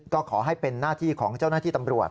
ก็ขอให้เป็นหน้าที่ของเจ้าหน้าที่ตำรวจ